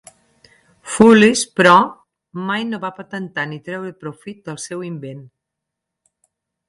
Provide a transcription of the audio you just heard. Foulis, però, mai no va patentar ni treure profit del seu invent.